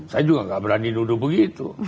saya juga nggak berani duduk begitu